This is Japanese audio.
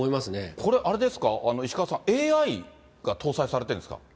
これ、あれですか、石川さん、ＡＩが搭載されてるんですか？